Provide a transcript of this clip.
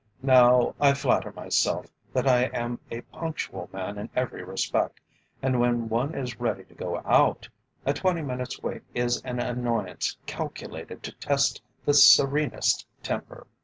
Now, I flatter myself that I am a punctual man in every respect, and when one is ready to go out, a twenty minutes' wait is an annoyance calculated to test the serenest temper.